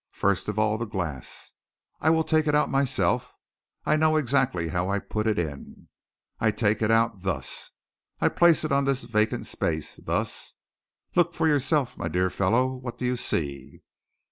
First of all, the glass. I will take it out myself I know exactly how I put it in. I take it out thus! I place it on this vacant space thus. Look for yourself, my dear fellow. What do you see?"